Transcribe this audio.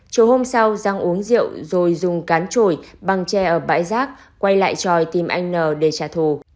chủ hôm sau giang uống rượu rồi dùng cán trồi băng che ở bãi giác quay lại tròi tìm anh n để trả thù